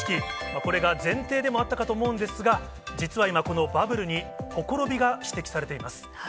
これが前提でもあったかと思うんですが、実は今、このバブルにほころびが指摘されています。